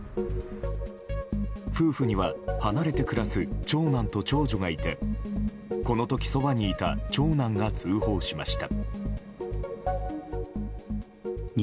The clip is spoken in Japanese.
夫婦には離れて暮らす長男と長女がいてこの時、そばにいた長男が通報しました。